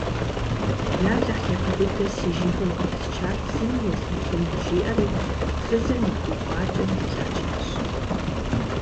Алыхь япэ дыдэ си жыгым къыпысчар зыми езмытын, – жиӏэри фызым и гуфӏакӏэм дилъхьэжащ.